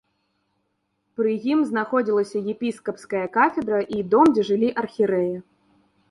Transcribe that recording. Пры ім знаходзілася епіскапская кафедра і дом, дзе жылі архірэі.